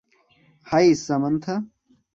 High, Samantha.